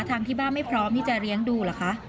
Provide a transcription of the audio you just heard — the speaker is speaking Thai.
ทางที่บ้านไม่พร้อมที่จะเลี้ยงดูเหรอคะ